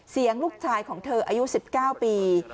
เสียงลูกชายของเธออายุ๑๙ปี